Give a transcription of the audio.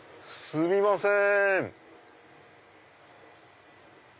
すみません